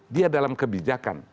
dia dalam kebijakan